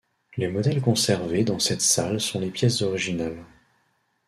Les modèles conservés dans cette salle sont les pièces originales.